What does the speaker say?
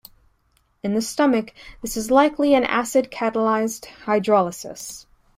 In the stomach, this is likely an acid-catalyzed hydrolysis.